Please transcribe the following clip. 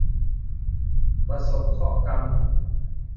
ประสบเคราะห์กรรม